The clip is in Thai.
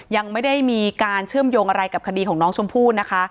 ยังไม่ได้มีการเชื่อมโยงอะไรกับคดีของน้องชมพู่นะคะ